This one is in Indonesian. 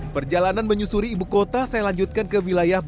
perjalanan menyusuri ibu kota saya lanjutkan ke wilayah barat